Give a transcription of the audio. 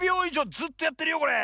ずっとやってるよこれ。